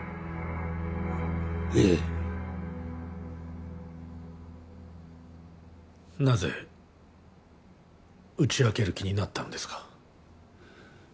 ええなぜ打ち明ける気になったのですか？